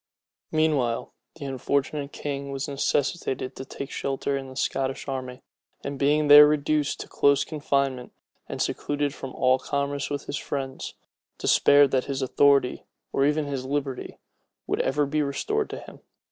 Meanwhile, the unfortunate king was necessitated to take shelter in the Scottish army; and being there reduced to close confinement, and secluded from all commerce with his friends, despaired that his authority, or even his liberty, would ever be restored to him.